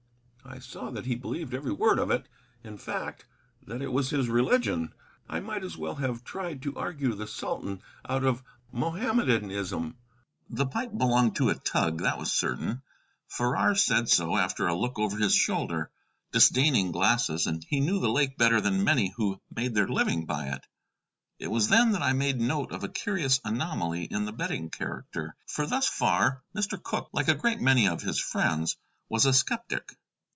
I saw that he believed every word of it; in fact, that it was his religion. I might as well have tried to argue the Sultan out of Mohammedanism. The pipe belonged to a tug, that was certain. Farrar said so after a look over his shoulder, disdaining glasses, and he knew the lake better than many who made their living by it. It was then that I made note of a curious anomaly in the betting character; for thus far Mr. Cooke, like a great many of his friends, was a skeptic.